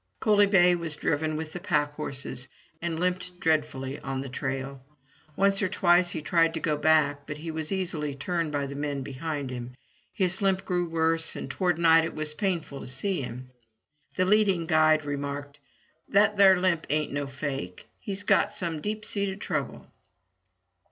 Coaly bay was driven with the packhorses, and limped dread fully on the trail. Once or twice he tried to go back, but he was easily turned by the men behind him. His limp grew worse, and toward night it was painful to see him. The leading guide remarked: "That thar limp ain't no fake. He's got some deep seated trouble."